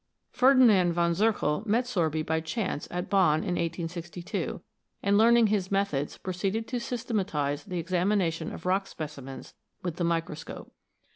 Ferdinand von Zirkel met Sorby by chance at Bonn in 1862, and, learning his methods, proceeded to systematise the examination of rock specimens with the microscope.